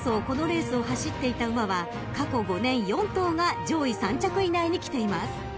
このレースを走っていた馬は過去５年４頭が上位３着以内に来ています］